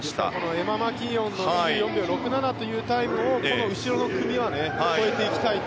エマ・マキーオンの２４秒６７というタイムをこの後ろの組は超えていきたいと。